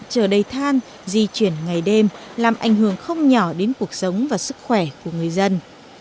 chờ đầy than di chuyển ngày đêm làm ảnh hưởng không nhỏ đến cuộc sống và sức khỏe của người dân